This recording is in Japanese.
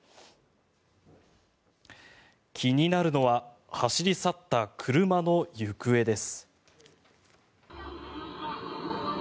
気になるのは走り去った車の行方です。